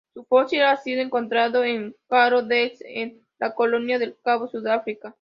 Su fósil ha sido encontrado en Karoo Beds en la Colonia del Cabo, Sudáfrica.